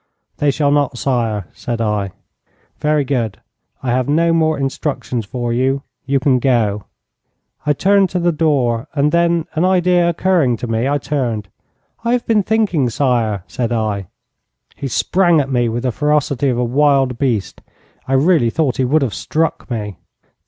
'They shall not, sire,' said I. 'Very good. I have no more instructions for you. You can go.' I turned to the door, and then an idea occurring to me I turned. 'I have been thinking, sire ' said I. He sprang at me with the ferocity of a wild beast. I really thought he would have struck me.